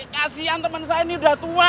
kasian teman saya ini udah tua